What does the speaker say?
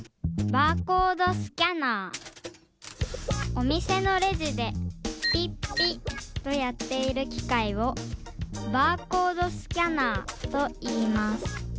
おみせのレジでピッピッとやっているきかいをバーコードスキャナーといいます。